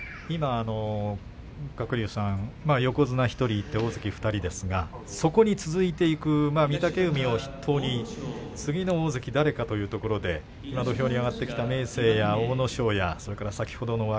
鶴竜さん横綱が１人いて大関が２人ですが、そこに続いていく御嶽海を筆頭に次の大関が誰かというところで土俵に上がってきた明生や阿武咲先ほどの若